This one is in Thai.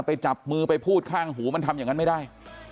ไปจับมือไปพูดข้างหูมันทำอย่างนั้นไม่ได้